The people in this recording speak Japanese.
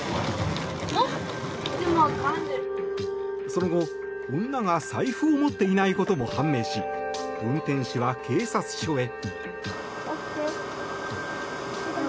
その後、女が財布も持っていないことも判明し運転手は警察署へ。